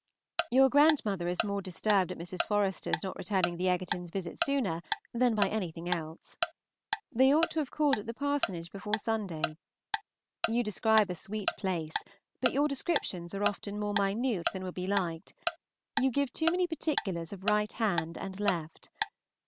Your grandmother is more disturbed at Mrs. Forester's not returning the Egertons' visit sooner than by anything else. They ought to have called at the Parsonage before Sunday. You describe a sweet place, but your descriptions are often more minute than will be liked. You give too many particulars of right hand and left.